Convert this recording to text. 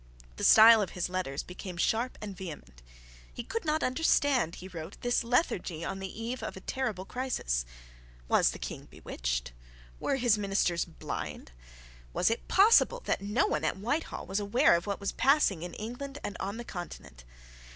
The style of his letters became sharp and vehement. He could not understand, he wrote, this lethargy on the eve of a terrible crisis. Was the King bewitched? Were his ministers blind? Was it possible that nobody at Whitehall was aware of what was passing in England and on the Continent?